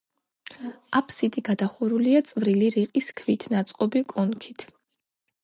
აფსიდი გადახურულია წვრილი რიყის ქვით ნაწყობი კონქით.